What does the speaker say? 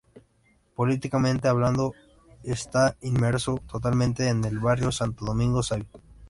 Políticamente hablando, está inmerso totalmente en el barrio Santo Domingo Savio.